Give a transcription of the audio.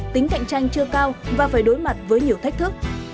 tính cạnh tranh chưa cao và phải đối mặt với nhiều thách thức